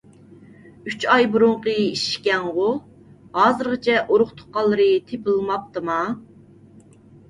ئۈچ ئاي بۇرۇنقى ئىش ئىكەنغۇ؟ ھازىرغىچە ئۇرۇق تۇغقانلىرى تېپىلماپتىما؟